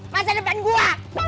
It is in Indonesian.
masa depan gua